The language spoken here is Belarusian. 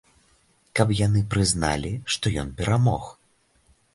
Каб яны прызналі, што ён перамог.